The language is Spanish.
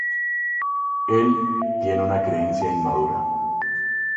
Él tiene una creencia inmadura.